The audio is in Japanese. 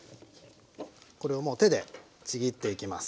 これをもう手でちぎっていきます。